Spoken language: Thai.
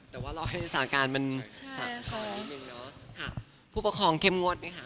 แต่ว่ารอให้สถานการณ์มันสะท้อนิดนึงเนอะค่ะผู้ปกครองเข้มงวดไหมคะ